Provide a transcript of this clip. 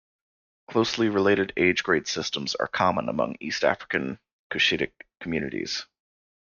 Closely related age-grade systems are common among East African Cushitic communities.